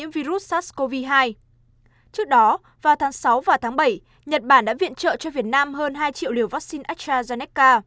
trước đó vào tháng sáu và tháng bảy nhật bản đã viện trợ cho việt nam hơn hai triệu liều vaccine astrazeneca